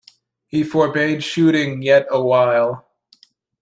He forbade shooting yet awhile.